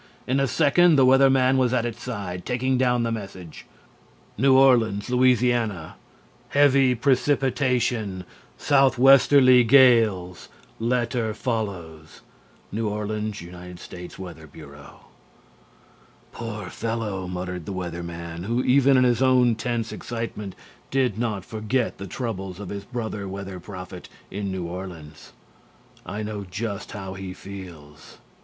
In a second the Weather Man was at its side, taking down the message: NEW ORLEANS, LA NHRUFKYOTLDMRELPWZWOTUDK HEAVY PRECIPITATION SOUTH WESTERLY GALES LETTER FOLLOWS NEW ORLEANS U S WEATHER BUREAU "Poor fellow," muttered the Weather Man, who even in his own tense excitement did not forget the troubles of his brother weather prophet in New Orleans, "I know just how he feels.